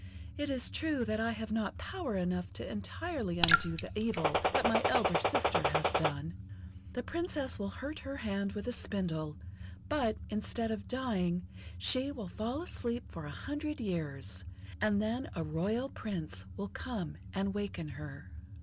It is true that I have not power enough to entirely undo the evil that my elder sister has done. The Princess will hurt her hand with a spindle, but, instead of dying, she will fall asleep for a hundred years, and then a royal Prince will come and waken her."